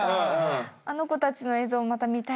あの子たちの映像また見たい。